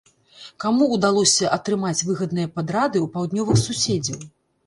Каму ўдалося атрымаць выгадныя падрады у паўднёвых суседзяў?